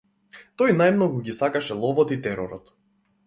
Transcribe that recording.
Тој најмногу ги сакаше ловот и теророт.